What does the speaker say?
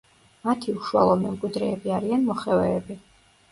მათი უშუალო მემკვიდრეები არიან მოხევეები.